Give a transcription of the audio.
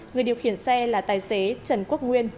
người điều khiển xe là tài xế trần quốc nguyên